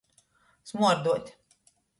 Smuorduot.